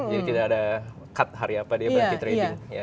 jadi tidak ada cut hari apa dia berarti trading